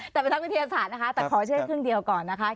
แต่เป็นทางพิเศษฐานนะคะแต่ขอเชื่อแค่ครึ่งเดียวก่อนนะคะ